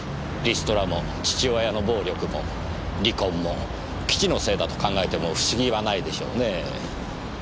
リストラも父親の暴力も離婚も基地のせいだと考えても不思議はないでしょうねぇ。